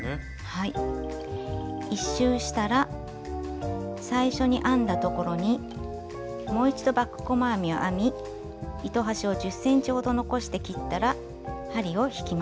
１周したら最初に編んだところにもう一度バック細編みを編み糸端を１０ｃｍほど残して切ったら針を引きます。